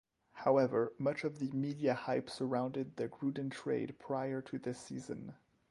However, much of the media hype surrounded the Gruden trade prior to the season.